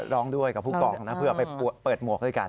ร้องด้วยกับผู้กองนะเพื่อไปเปิดหมวกด้วยกัน